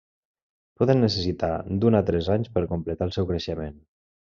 Poden necessitar d'un a tres anys per completar el seu creixement.